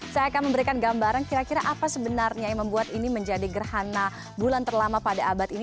saya akan memberikan gambaran kira kira apa sebenarnya yang membuat ini menjadi gerhana bulan terlama pada abad ini